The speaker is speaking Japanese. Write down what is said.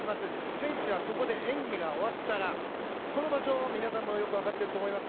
選手は、演技が終わったらこの場所、皆さんもよく分かっていると思います。